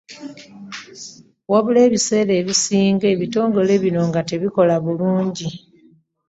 Wabula ebiseera ebisinga ebitongole bino nga tebikola bulungi.